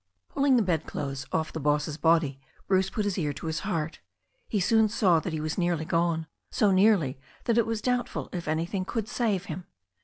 Pulling the bed clothes off the boss's body, Bruce put his ear to his heart. He soon saw that he was nearly gone, so nearly that it was doubtful if anything could save him.